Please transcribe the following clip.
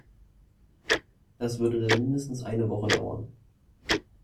Das würde dann mindestens eine Woche dauern.